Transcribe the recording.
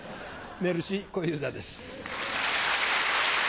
メルシー小遊三です。